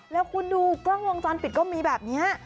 แล้วคุณดูกล้องวงจรปิดก็มีแบบนี้